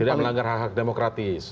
tidak melanggar hak hak demokratis